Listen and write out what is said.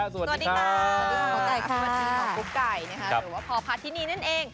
สวัสดีค่ะคุณหมอพอร์ภาธินีนั่นเอง